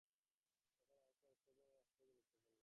তা ছাড়া হজ ফ্লাইট রাষ্ট্রীয়ভাবেও গুরুত্বপূর্ণ।